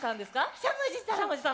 しゃもじさん。